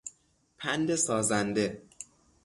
پند سازنده